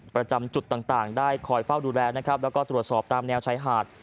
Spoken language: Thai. ประจำจุดต่างได้คอยเฝ้าดูแลและตรวจสอบตามแนวใช้หาด